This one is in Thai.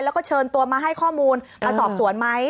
แล้วก็เชิญตัวมาให้ข้อมูลมาสอบสวนไหม